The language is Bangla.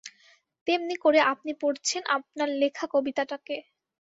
তেমনি করে আপনি পড়ছেন আপনার লেখা কবিতাটাকে।